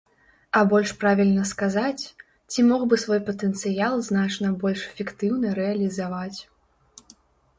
А больш правільна сказаць, ці мог бы свой патэнцыял значна больш эфектыўна рэалізаваць.